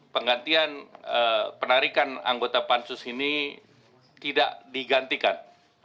penggantian penarikan anggota pansus ini tidak digantikan